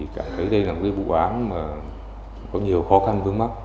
cảm thấy đây là một vụ án có nhiều khó khăn